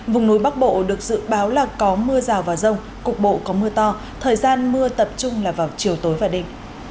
vùng núi bắc bộ được dự báo là có mưa rào và rông cục bộ có mưa to thời gian mưa tập trung là vào chiều tối và đêm